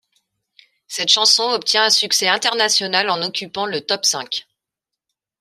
Cette chanson obtient un succès international en occupant le top cinq.